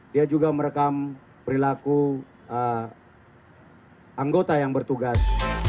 dia juga merekam perilaku anggota yang bertugas